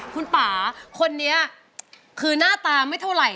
คุณป่าคนนี้คือหน้าตาไม่เท่าไหร่